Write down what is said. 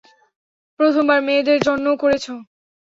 প্রথমবার মেয়েদের জন্যও করছে!